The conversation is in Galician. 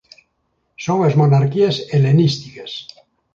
Son as monarquías helenísticas.